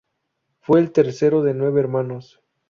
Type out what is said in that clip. Fue el tercero de nueve hermanos.